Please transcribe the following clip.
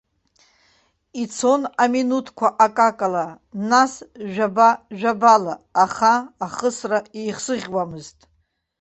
Ицон аминуҭқәа акакала, нас, жәаба-жәабала, аха, ахысра еихсыӷьуамызт.